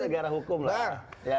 negara hukum lah